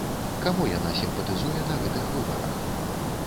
Каму яна сімпатызуе на гэтых выбарах?